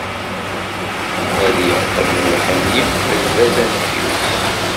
Ad yeqqen lḥenni, lbaz amekyus.